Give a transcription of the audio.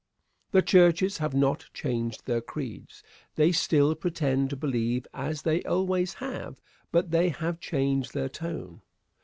The churches have not changed their creeds. They still pretend to believe as they always have but they have changed their tone.